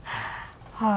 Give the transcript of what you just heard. はい。